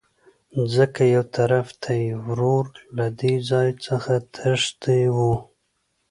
ځکه يوطرف ته يې ورور له دې ځاى څخه تښى وو.